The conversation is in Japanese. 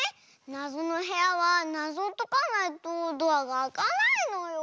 なぞのへやはなぞをとかないとドアがあかないのよ。